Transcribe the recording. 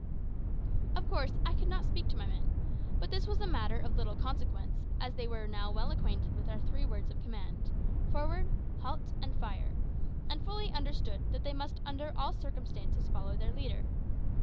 Of course I could not speak to my men; but this was a matter of little consequence, as they were now well acquainted with our three words of command, "Forward," "Halt," and "Fire," and fully understood that they must under all circumstances follow their leader.